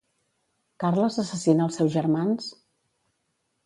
Carles assassina als seus germans?